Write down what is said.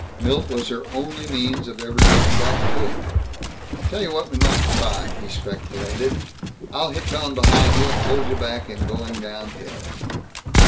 Milt was her only means of ever getting back to it. "Tell you what we might try," he speculated. "I'll hitch on behind you, and hold back in going down hill."